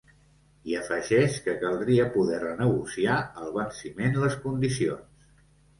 I afegeix que caldria poder renegociar al venciment les condicions.